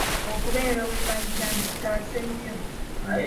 Okubeera omumanyi kyandikutaasa ennyo.